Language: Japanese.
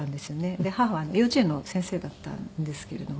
で母は幼稚園の先生だったんですけれども。